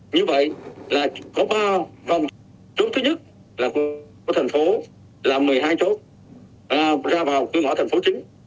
như vậy là có ba vòng chốt thứ nhất là của thành phố là một mươi hai chốt ra vào cửa ngõ thành phố chính